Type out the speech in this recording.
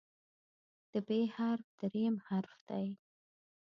د "پ" حرف دریم حرف دی.